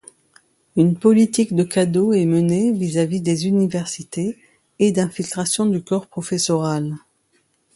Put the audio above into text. Une politique de cadeaux est menée vis-à-vis des universités et d'infiltration du corps professoral.